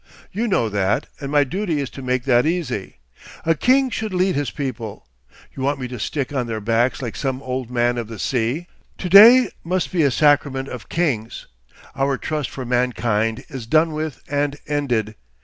You know that, and my duty is to make that easy. A king should lead his people; you want me to stick on their backs like some Old Man of the Sea. To day must be a sacrament of kings. Our trust for mankind is done with and ended.